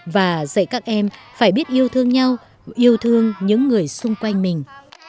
và dạy các em phải biết yêu thương nhau yêu thương những người xung quanh mình